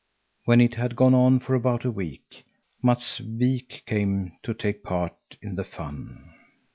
When it had gone on for about a week, Matts Wik came too to take part in the fun.